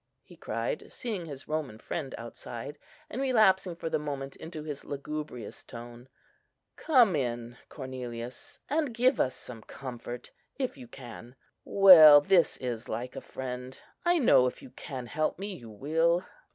he cried, seeing his Roman friend outside, and relapsing for the moment into his lugubrious tone; "Come in, Cornelius, and give us some comfort, if you can. Well, this is like a friend! I know if you can help me, you will."